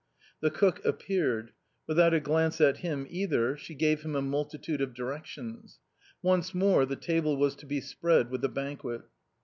The cook appeared; without a glance at him either, she gave him a multitude of directions. Once more the table was to be spread with a banquet.